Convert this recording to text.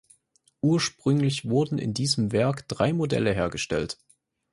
Ursprünglich wurden in diesem Werk drei Modelle hergestellt.